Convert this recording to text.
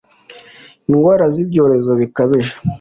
indwara z’ibyorezo bikabije